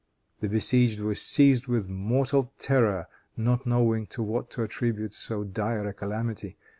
The besieged were seized with mortal terror, not knowing to what to attribute so dire a calamity.